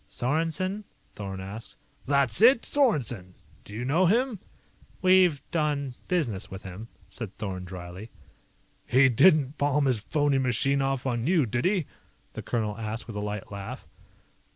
"Sorensen?" Thorn asked. "That's it! Sorensen! Do you know him?" "We've done business with him," said Thorn dryly. "He didn't palm his phony machine off on you, did he?" the colonel asked with a light laugh.